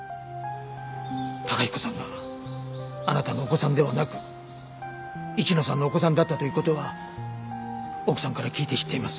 崇彦さんがあなたのお子さんではなく市野さんのお子さんだったという事は奥さんから聞いて知っています。